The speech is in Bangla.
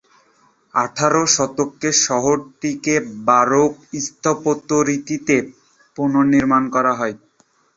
আঠারো শতকে শহরটি বারোক স্থাপত্যরীতিতে পুনর্নির্মিত হয়।